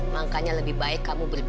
makanya lebih baik kamu